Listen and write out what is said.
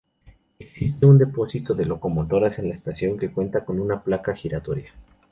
Existe un depósito de locomotoras en la estación, que cuenta con una placa giratoria.